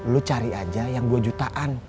lu cari aja yang dua jutaan